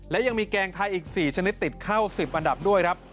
และยังมีแกงไทยอีก๔ชนิดติดเข้า๑๐อันดับด้วยครับ